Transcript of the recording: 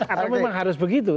atau memang harus begitu